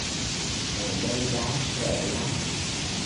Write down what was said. Ở đây đáng sợ lắm